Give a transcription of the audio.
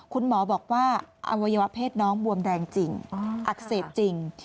คุณหมอบอกว่าอวัยวะเพศน้องบวมแดงจริงอักเสบจริง